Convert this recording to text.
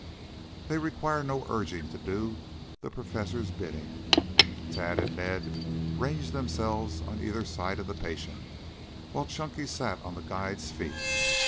They required no urging to do the Professor's bidding. Tad and Ned ranged themselves on either side of the patient, while Chunky sat on the guide's feet.